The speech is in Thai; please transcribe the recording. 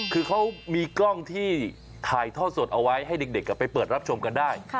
คือเขามีกล้องที่ถ่ายทอดสดเอาไว้ให้เด็กไปเปิดรับชมกันได้